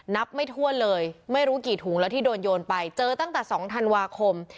นับไม่ถ้วนเลยไม่รู้กี่ถุงแล้วที่โดนโยนไปเจอตั้งแต่๒ธันวาคม